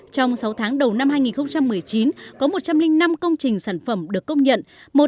trong sáu tháng đầu năm hai nghìn một mươi chín có một trăm linh năm công trình sản phẩm được công nhận